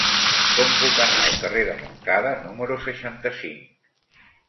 Com puc anar al carrer de Montcada número seixanta-cinc?